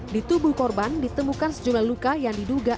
di tubuh korban ditemukan sejumlah luka yang diduga